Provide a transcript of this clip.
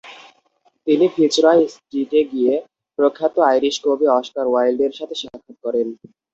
তিনি ফিচরয় স্টিটে গিয়ে প্রখ্যাত আইরিশ কবি অস্কার ওয়াইল্ডের সাথে সাক্ষাৎ করেন।